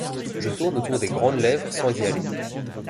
Je tourne autour des grandes lèvres sans y aller.